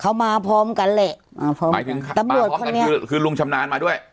เขามาพร้อมกันเลยอ่าพอหมายถึงค่ะตำรวจคนนี้คือลุงชำนาญมาด้วย